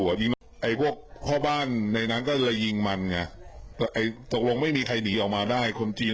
ไอพวกเข้าบ้านในนั้นก็เลยยิงมันไงแต่ตรงไม่มีใครดีออกมาได้คน